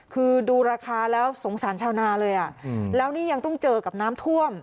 คือดูราคาแล้วสงสารชาวนาเลยอ่ะแล้วนี่ยังต้องเจอกับน้ำท่วม